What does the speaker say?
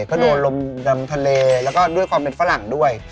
เขาโดนลมดำทะเลแล้วก็ด้วยความเป็นฝรั่งด้วย